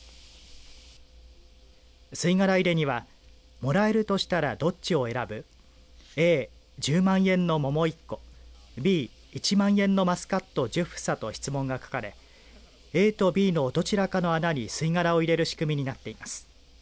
吸い殻入れにはもらえるとしたらどっちを選ぶＡ、１０万円の桃１個Ｂ、１万円のマスカット１０房と質問が書かれＡとＢのどちらかの穴に吸い殻を入れる仕組みになっています。